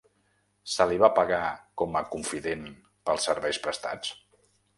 Se li va pagar com a confident pels serveis prestats?